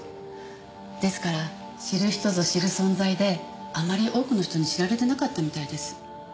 ですから知る人ぞ知る存在であまり多くの人に知られてなかったみたいです。